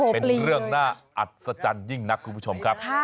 เป็นเรื่องน่าอัศจรรย์ยิ่งนักคุณผู้ชมครับ